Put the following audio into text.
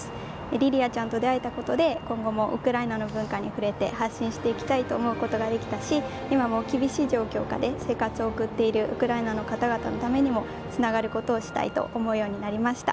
リリアちゃんと出会えたことで今後もウクライナの文化に触れて発信していきたいと思うことができたし今も厳しい状況下で生活を送っているウクライナの方々のためにもつながることをしたいと思うようになりました。